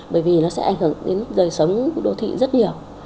bởi vì nó sẽ ảnh hưởng đến dời sống của đô thị rất nhiều